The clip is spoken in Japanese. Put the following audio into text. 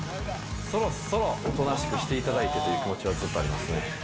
そろそろおとなしくしていただいてという気持ちはずっとありますね。